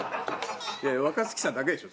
いや若槻さんだけでしょ？